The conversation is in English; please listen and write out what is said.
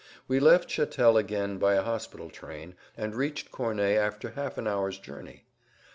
We left Chatel again by a hospital train, and reached Corney after half an hour's journey.